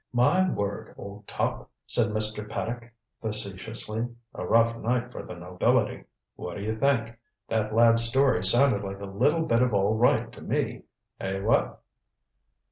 "My word, old top," said Mr. Paddock facetiously, "a rough night for the nobility. What do you think? That lad's story sounded like a little bit of all right to me. Eh, what?"